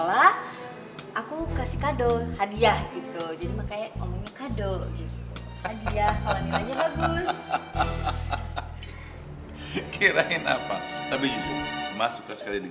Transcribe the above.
aku mau ke rumah